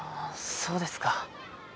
そうですか。